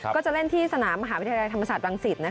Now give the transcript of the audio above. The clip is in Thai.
ก็จะเล่นที่สนามมหาวิทยาลัยธรรมศาสตรังสิต